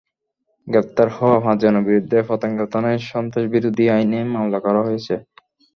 গ্রেপ্তার হওয়া পাঁচজনের বিরুদ্ধে পতেঙ্গা থানায় সন্ত্রাসবিরোধী আইনে মামলা করা হয়েছে।